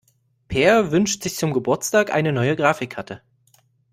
Peer wünscht sich zum Geburtstag eine neue Grafikkarte.